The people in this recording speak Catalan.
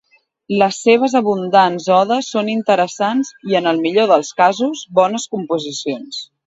Les seves abundants odes són interessants, i en el millor dels cassos, bones composicions.